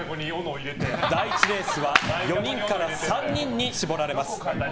第１レースは４人から３人に絞られます。